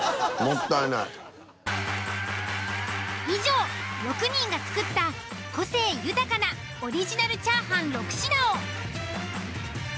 以上６人が作った個性豊かなオリジナルチャーハン６品を。